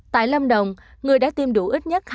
tại lâm đồng người đã tiêm đủ ít nhất